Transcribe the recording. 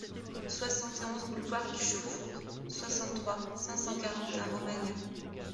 soixante et onze boulevard du Chauffour, soixante-trois, cinq cent quarante à Romagnat